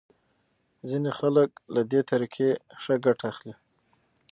ځینې خلک له دې طریقې ښه ګټه اخلي.